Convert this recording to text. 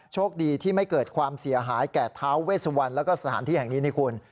โชคดีที่ไม่เกิดความเสียหายแก่ท้าเวสวันแล้วก็สถานที่แห่งนี้นี่คุณ